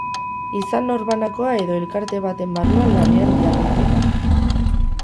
Izan norbanakoa edo elkarte baten barruan lanean dihardutenak.